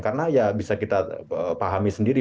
karena ya bisa kita pahami sendiri